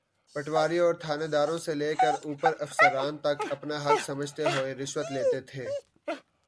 پٹواری اورتھانیداروں سے لے کر اوپر افسران تک اپنا حق سمجھتے ہوئے رشوت لیتے تھے۔